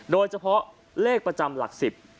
โดยเฉพาะเลขประจำหลัก๑๐